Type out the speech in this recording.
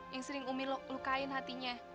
yang sering umi lukain hatinya